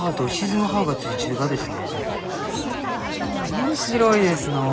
面白いですのう！